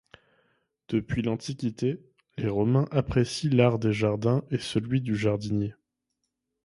Depuis l’Antiquité, les romains apprécient l’art des jardins et celui du jardinier.